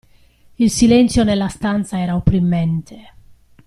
Il silenzio nella stanza era opprimente.